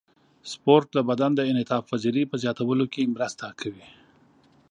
سپورت د بدن د انعطاف پذیرۍ په زیاتولو کې مرسته کوي.